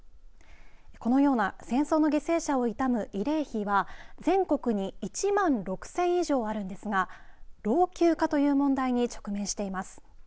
このような戦争の犠牲者を悼む慰霊碑は全国に１万６０００以上あるんですが老朽化という問題に直面しています。